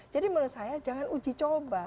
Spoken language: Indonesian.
jadi menurut saya jangan uji coba